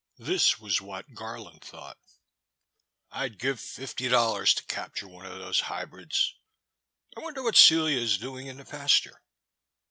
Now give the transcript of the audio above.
This was what Garland thought: "I'd give fifty dollars to capture one of these hybrids ;— I wonder what Celia is doing in the pasture